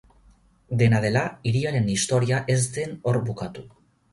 Dena dela, hiriaren historia ez zen hor bukatu.